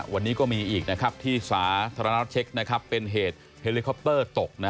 วันนี้ก็มีอีกที่สาธารณะเช็คเป็นเหตุเฮลิคอปเตอร์ตก